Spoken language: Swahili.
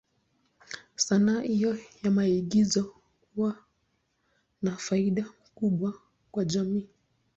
Sanaa hiyo ya maigizo huwa na faida kubwa kwa jamii.